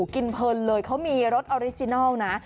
กินเพลินเลยเขามีรสออริจินัลนะ